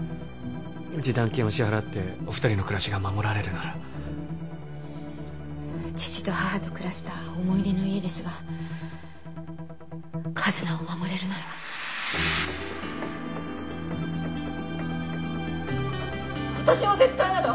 示談金を支払ってお二人の暮らしが守られるなら父と母と暮らした思い出の家ですが一奈を守れるなら私は絶対嫌だ！